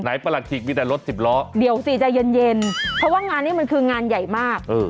ประหลัดขีกมีแต่รถสิบล้อเดี๋ยวสิใจเย็นเย็นเพราะว่างานนี้มันคืองานใหญ่มาก